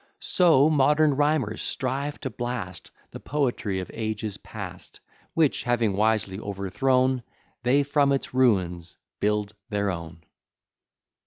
So modern rhymers strive to blast The poetry of ages past; Which, having wisely overthrown, They from its ruins build their own.